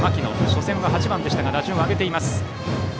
初戦は８番でしたが打順を上げています。